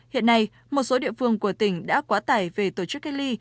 hiện nay một số địa phương của tỉnh đã quá tải về tổ chức cách ly